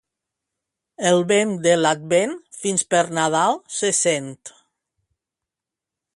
El vent de l'Advent fins per Nadal se sent.